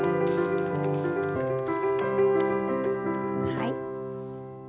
はい。